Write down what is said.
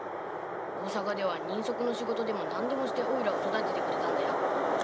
大坂では人足の仕事でも何でもしておいらを育ててくれたんだ。